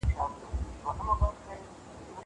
زه اوس سبا ته پلان جوړوم!